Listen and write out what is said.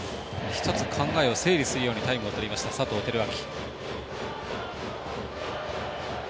考えを整理するようにタイムをとりました、佐藤輝明。